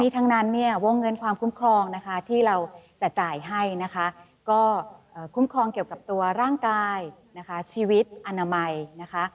ทั้งนั้นเนี่ยวงเงินความคุ้มครองนะคะที่เราจะจ่ายให้นะคะก็คุ้มครองเกี่ยวกับตัวร่างกายนะคะชีวิตอนามัยนะคะ